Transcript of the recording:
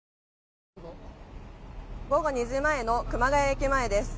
午後２時前の熊谷駅前です。